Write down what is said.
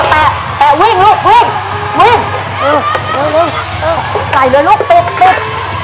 แตะแตะวิ่งลูกวิ่งวิ่งเออวิ่งเออใส่เลยลูกปิดปิด